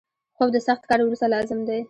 خوب د سخت کار وروسته لازم دی